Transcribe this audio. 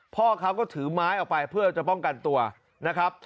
พ่อเขาก็ถือไม้ออกไปเพื่อจะป้องกันตัวนะครับ